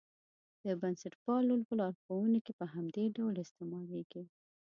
د بنسټپالو په لارښوونو کې په همدې ډول استعمالېږي.